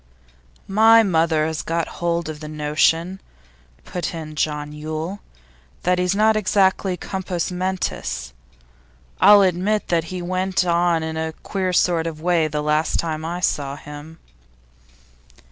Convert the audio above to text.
'My mother has got hold of the notion,' put in John Yule, 'that he's not exactly compos mentis. I'll admit that he went on in a queer sort of way the last time I saw him.